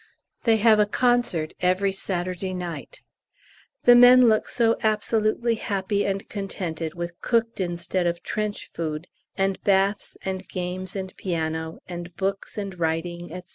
They have a concert every Saturday night. The men looked so absolutely happy and contented with cooked instead of trench food, and baths and games and piano, and books and writing, &c.